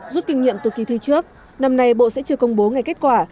rút kinh nghiệm từ kỳ thi trước năm nay bộ sẽ chưa công bố ngày kết quả